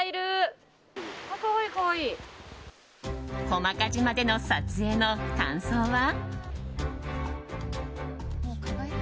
コマカ島での撮影の感想は？